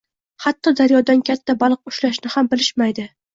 Hatto daryodan katta baliq ushlashni ham bilishmaydi